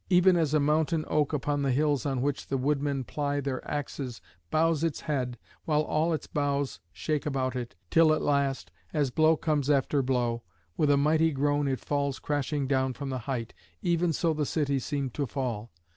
Even as a mountain oak upon the hills on which the woodmen ply their axes bows its head while all its boughs shake about it, till at last, as blow comes after blow, with a mighty groan it falls crashing down from the height, even so the city seemed to fall.